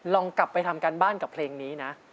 ลองกลับไปทำการบ้านกับเพลงนี้นะ